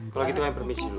kalau gitu kami permisi dulu